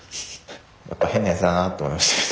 やっぱ変なやつだなと思いましたけど。